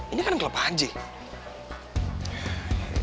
ini kan kelapaan jay